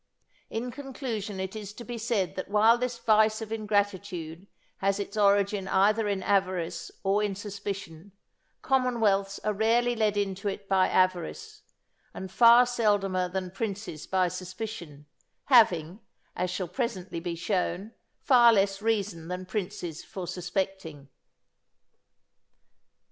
In conclusion it is to be said that while this vice of ingratitude has its origin either in avarice or in suspicion, commonwealths are rarely led into it by avarice, and far seldomer than princes by suspicion, having, as shall presently be shown, far less reason than princes for suspecting.